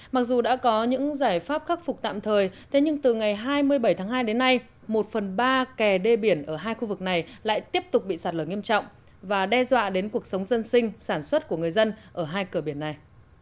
mặc dù đã có những giải pháp khắc phục tạm thời thế nhưng từ ngày hai mươi bảy tháng hai đến nay một phần ba kè đê biển ở hai khu vực này lại tiếp tục bị sạt lở nghiêm trọng và đe dọa đến cuộc sống dân sinh sản xuất của người dân ở hai cửa biển này